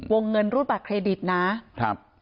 วงเงินรูดบัตรเครดิตนะครับ